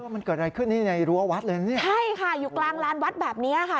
มันเกิดอะไรขึ้นนี่ในรั้ววัดเลยนะเนี่ยใช่ค่ะอยู่กลางลานวัดแบบนี้ค่ะ